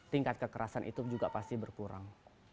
tingkat kekerasan itu juga pasti berkurang